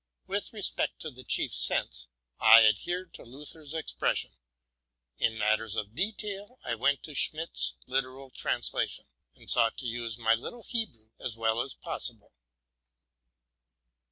With re spect to the chief sense, I adhered to Luther's expression : in matters of detail, I went to Schmidt's literal translation, und sought to use my little Hebrew as well as possible.